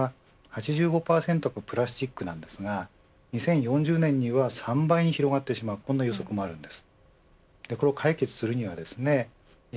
世界の海洋ごみは８５％がプラスチックですが２０４０年には３倍に広がってしまう予測もあります。